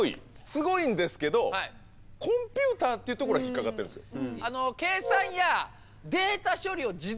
すごいんですけどコンピューターってところが引っ掛かってるんですよ。